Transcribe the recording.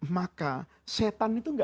maka kita bisa berpikir